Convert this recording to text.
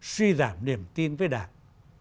suy giảm niềm tin với đảng